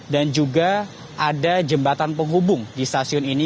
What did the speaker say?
dan juga ada jembatan penghubung di stasiun ini